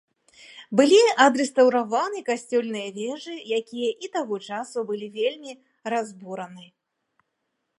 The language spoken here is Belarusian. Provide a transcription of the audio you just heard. Былі адрэстаўраваны касцёльныя вежы, якія і таго часу былі вельмі разбураны.